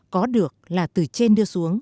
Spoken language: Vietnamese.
có được là từ trên đưa xuống